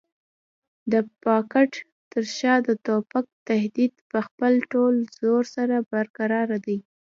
د پاټک تر شا د توپک تهدید په خپل ټول زور سره برقراره دی.